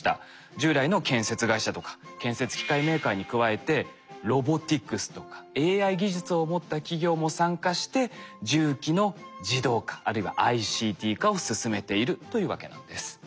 従来の建設会社とか建設機械メーカーに加えてロボティクスとかＡＩ技術を持った企業も参加して重機の自動化あるいはＩＣＴ化を進めているというわけなんです。